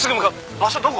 場所どこ？